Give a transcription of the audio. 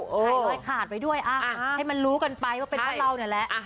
ใช่นะค่ะขาดไปด้วยเอ้าให้มันรู้กันไปว่าเป็นเพราะเราเนี่ยแหละ